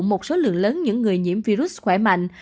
một số lượng lớn những người nhiễm virus khỏe mạnh